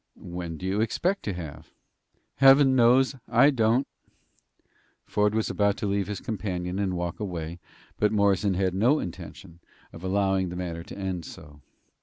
"When do you expect to have?" "Heaven knows; I don't." Ford was about to leave his companion and walk away, but Morrison had no intention of allowing the matter to end so.